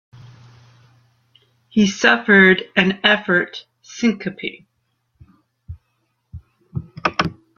He suffered an effort syncope.